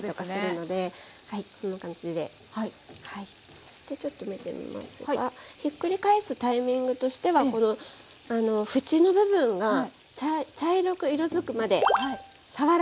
そしてちょっと見てみますがひっくり返すタイミングとしてはこの縁の部分が茶色く色づくまで触らない！